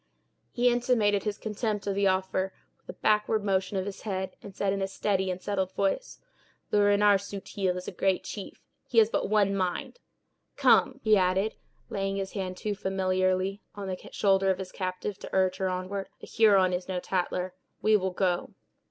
He intimated his contempt of the offer with a backward motion of his head, and said, in a steady and settled voice: "Le Renard Subtil is a great chief; he has but one mind. Come," he added, laying his hand too familiarly on the shoulder of his captive to urge her onward; "a Huron is no tattler; we will go."